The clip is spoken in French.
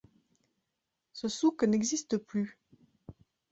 Ce souk n'existe plus.